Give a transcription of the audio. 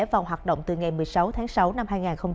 vào hoạt động từ ngày một mươi sáu tháng sáu năm hai nghìn hai mươi